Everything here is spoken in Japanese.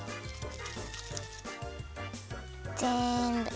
ぜんぶ！